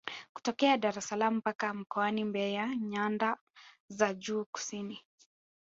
Kutokea Daressalaam mpaka mkoani Mbeya nyanda za juu kusini